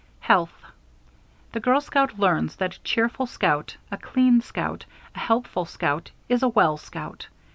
Health. The girl scout learns that "a cheerful scout, a clean scout, a helpful scout is a well scout.